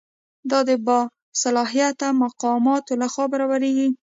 دا د باصلاحیته مقاماتو لخوا برابریږي.